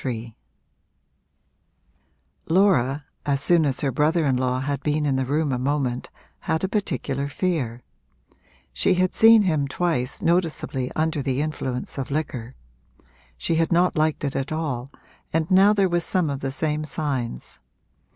III Laura, as soon as her brother in law had been in the room a moment, had a particular fear; she had seen him twice noticeably under the influence of liquor; she had not liked it at all and now there were some of the same signs.